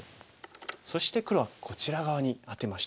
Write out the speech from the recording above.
そして黒はこちら側にアテました。